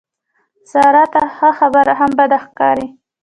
سارې ته ښه خبره هم بده ښکاري.